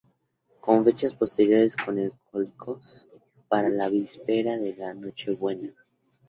De fechas posteriores son el "Coloquio para la víspera de la Nochebuena.